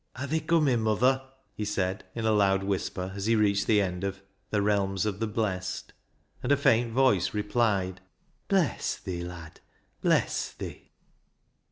"Arr they comin', muther?" he said, in a loud whisper, as he reached the end of " The realms of the blest," and a faint voice replied —" Bless thi, lad ! Bless thi !